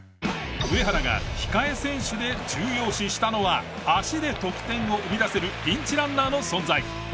上原が控え選手で重要視したのは足で得点を生み出せるピンチランナーの存在。